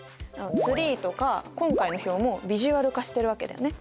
ツリーとか今回の表もビジュアル化してるわけだよね。